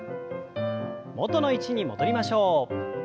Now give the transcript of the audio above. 元の位置に戻りましょう。